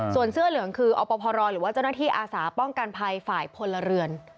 ส่วนเสื้อเหลืองคืออพรหรือว่าเจ้าหน้าที่อาสาป้องกันภัยฝ่ายพลเรือน